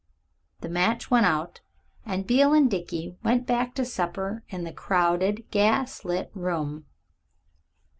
The match went out and Beale and Dickie went back to supper in the crowded, gas lit room.